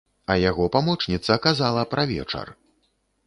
А яго памочніца казала пра вечар!